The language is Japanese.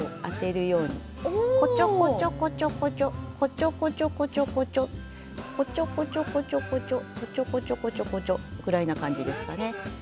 こちょこちょこちょこちょこちょこちょこちょこちょこちょこちょこちょこちょこちょこちょこちょこちょぐらいな感じですかね。